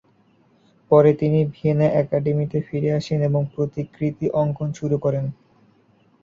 পরে তিনি ভিয়েনা অ্যাকাডেমিতে ফিরে আসেন এবং প্রতিকৃতি অঙ্কন শুরু করেন।